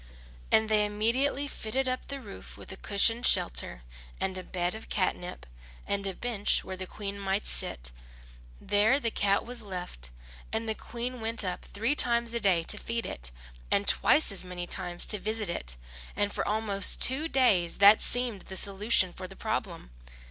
And they immediately fitted up the roof with a cushioned shelter, and a bed of catnip, and a bench where the Queen might sit. There the cat was left; and the Queen went up three times a day to feed it, and twice as many times to visit it, and for almost two days that seemed the solution of the problem.